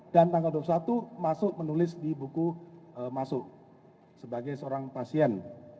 tanggal dua puluh satu masuk menulis di buku masuk sebagai seorang pasien